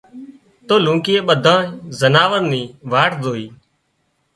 تو لونڪِي ٻڌانئين زناوارن نو واٽ زوئي